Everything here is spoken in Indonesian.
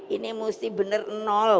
ini mesti benar enak